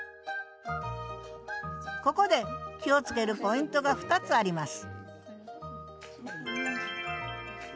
ここで気をつけるポイントが２つあります